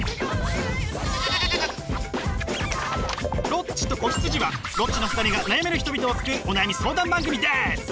「ロッチと子羊」はロッチの２人が悩める人々を救うお悩み相談番組です！